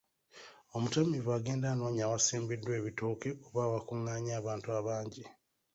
Omutamiivu agenda anoonya awasimbiddwa ebitooke oba awakunganye abantu abangi.